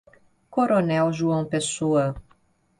Coronel João Pessoa